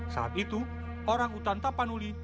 saat itu orangutan tapanuli